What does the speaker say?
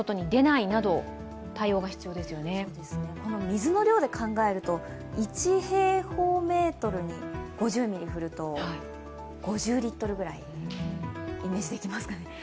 水の量で考えると、１平方メートルに５０ミリ降ると５０リットルぐらい、イメージできますか？